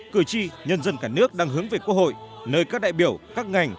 cử tri nhân dân cả nước đang hướng về quốc hội nơi các đại biểu các ngành